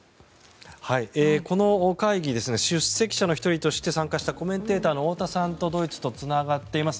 この会議出席者の１人として参加したコメンテーターの太田さんとドイツとつながっています。